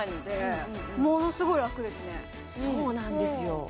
全然そうなんですよ